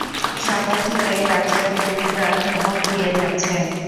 সকাল থেকে রাজিয়ার কুকুরা ধমক দিয়ে যাচ্ছে।